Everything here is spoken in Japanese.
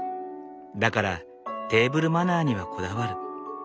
だからテーブルマナーにはこだわる。